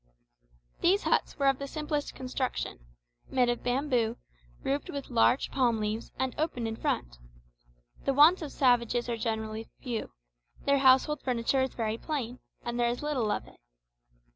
These huts were of the simplest construction made of bamboo, roofed with large palm leaves, and open in front. The wants of savages are generally few; their household furniture is very plain, and there is little of it.